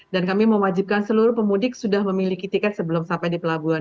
dan kami mewajibkan seluruh pemudik sudah memiliki tiket sebelum sampai di pelabuhan